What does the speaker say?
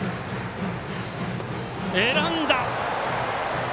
選んだ！